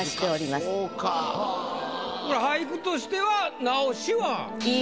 これ俳句としては直しは？